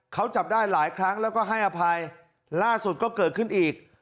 เขาจับได้หลายครั้งแล้วก็ให้อภัยล่าสุดก็เกิดขึ้นอีก